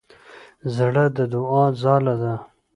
زړه د دوعا ځاله ده.